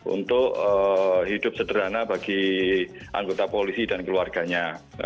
untuk hidup sederhana bagi anggota polisi dan keluarganya